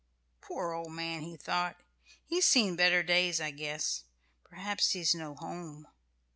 "Poor old man!" he thought; "he's seen better days I guess. Perhaps he's no home.